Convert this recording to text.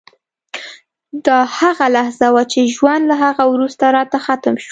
دا هغه لحظه وه چې ژوند له هغه وروسته راته ختم شو